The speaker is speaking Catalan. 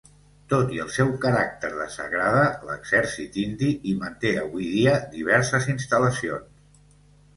Tot i el seu caràcter de sagrada l'exèrcit indi hi manté avui dia diverses instal·lacions.